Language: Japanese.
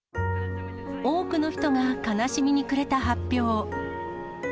多くの人が悲しみにくれた発表。